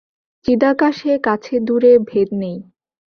চিদাকাশে কাছে দূরে ভেদ নেই।